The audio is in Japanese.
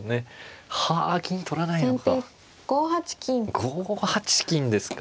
５八金ですか。